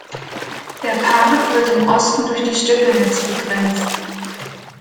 Der Park wird im Osten durch die Stepenitz begrenzt.